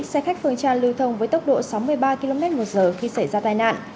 xe khách phương tra lưu thông với tốc độ sáu mươi ba km một giờ khi xảy ra tai nạn